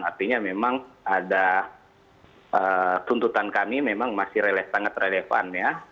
artinya memang ada tuntutan kami memang masih relatif sangat relevan ya